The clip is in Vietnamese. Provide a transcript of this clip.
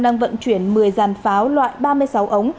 đang vận chuyển một mươi dàn pháo loại ba mươi sáu ống